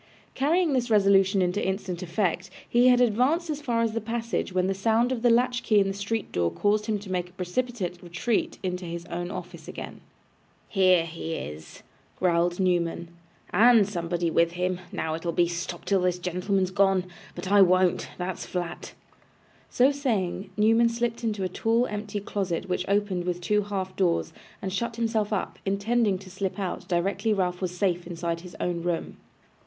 Carrying this resolution into instant effect, he had advanced as far as the passage, when the sound of the latch key in the street door caused him to make a precipitate retreat into his own office again. 'Here he is,' growled Newman, 'and somebody with him. Now it'll be "Stop till this gentleman's gone." But I won't. That's flat.' So saying, Newman slipped into a tall empty closet which opened with two half doors, and shut himself up; intending to slip out directly Ralph was safe inside his own room.